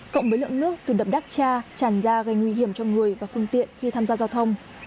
cộng với lượng nước từ đập đắc cha tràn ra gây nguy hiểm cho người và phương tiện khi tham gia giao thông